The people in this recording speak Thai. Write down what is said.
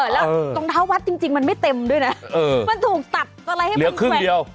แล้วรองเท้าวัดจริงจริงมันไม่เต็มด้วยนะเออมันถูกตัดอะไรให้มันแขวนเหลือครึ่งเดียว